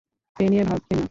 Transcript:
এ নিয়ে ভাববেন না।